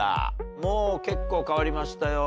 もう結構変わりましたよ。